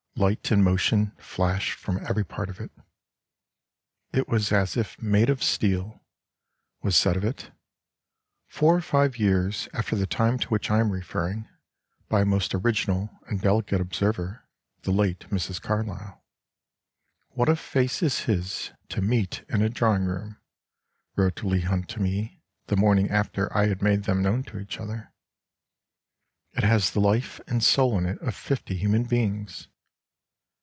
Light and motion flashed from every part of it. It was as if made of steel, was said of it, four or five years after the time to which I am referring, by a most original and delicate observer, the late Mrs. Carlyle. 'What a face is his to meet in a drawing room!' wrote Leigh Hunt to me, the morning after I had made them known to each other. 'It has the life and soul in it of fifty human beings.